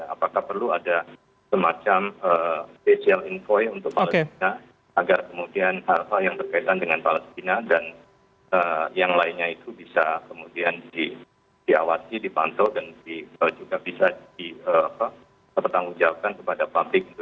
apakah perlu ada semacam special envoy untuk palestina agar kemudian hal hal yang berkaitan dengan palestina dan yang lainnya itu bisa kemudian diawasi dipantau dan juga bisa dipertanggungjawabkan kepada publik